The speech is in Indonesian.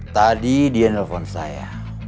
tadi dia nelfon saya